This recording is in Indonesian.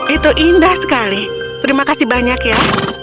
itu indah sekali terima kasih banyak ya